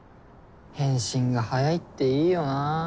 返信が早いっていいよな。